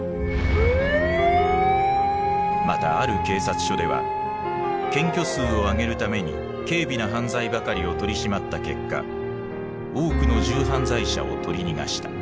またある警察署では検挙数を上げるために軽微な犯罪ばかりを取り締まった結果多くの重犯罪者を取り逃がした。